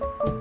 ya udah deh